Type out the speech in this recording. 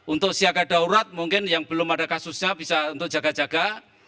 untuk siaga daurat mungkin yang belum ada kasusnya bisa untuk jaga jaga